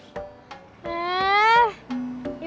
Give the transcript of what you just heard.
terus pakai lele goreng deh